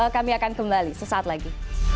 kami akan kembali sesaat lagi